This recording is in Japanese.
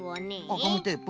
あっガムテープ。